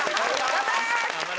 頑張れ！